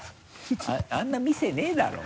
あんな店ないだろ。